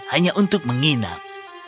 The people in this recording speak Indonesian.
hanya untuk menginap